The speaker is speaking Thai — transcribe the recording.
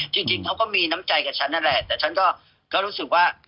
จริงเขาก็มีน้ำใจกับฉันนั่นแหละแต่ฉันก็รู้สึกว่า